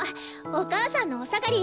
お母さんのお下がり。